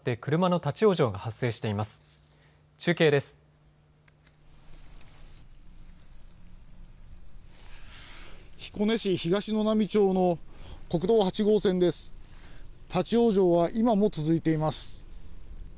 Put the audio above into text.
立往生は今も続いています。